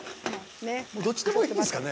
どっちでもいいんですかね。